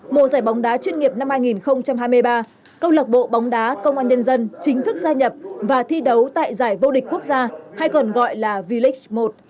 mùa giải bóng đá chuyên nghiệp năm hai nghìn hai mươi ba công lạc bộ bóng đá công an nhân dân chính thức gia nhập và thi đấu tại giải vô địch quốc gia hay còn gọi là v leagux một